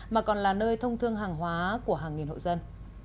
mà còn là nơi thông thương hàng hóa của hàng nghìn hộ dân